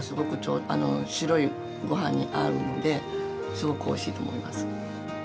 すごくおいしいと思います。